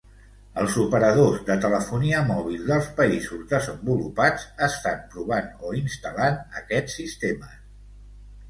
Els operadors de telefonia mòbil dels països desenvolupats estan provant o instal·lant aquests sistemes.